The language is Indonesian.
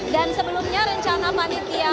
dan sebelumnya rencana panitia